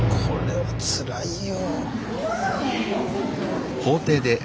これはつらいよ。